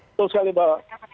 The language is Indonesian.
betul sekali mbak